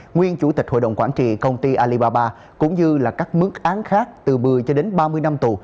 nguyên chủ tịch hội đồng quản trị công ty alibaba cũng như các mức án khác từ một mươi ba mươi năm tù